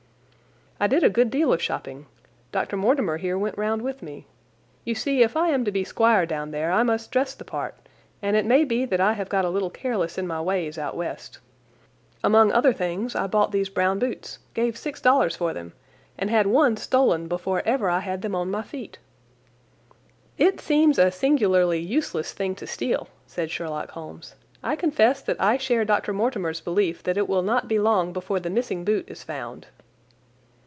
"I did a good deal of shopping. Dr. Mortimer here went round with me. You see, if I am to be squire down there I must dress the part, and it may be that I have got a little careless in my ways out West. Among other things I bought these brown boots—gave six dollars for them—and had one stolen before ever I had them on my feet." "It seems a singularly useless thing to steal," said Sherlock Holmes. "I confess that I share Dr. Mortimer's belief that it will not be long before the missing boot is found."